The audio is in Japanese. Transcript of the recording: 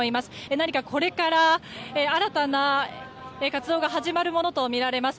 何かこれから新たな活動が始まるものとみられます。